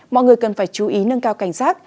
mọi người cần phải chú ý nâng cao cảnh giác